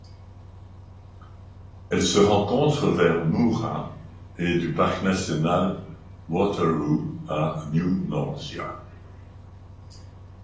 Elle se rencontre vers Moora et du parc national Watheroo à New Norcia.